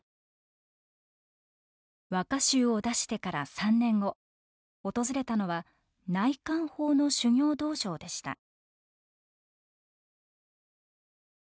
和歌集を出してから３年後訪れたのは「内観法」の修行道場でした。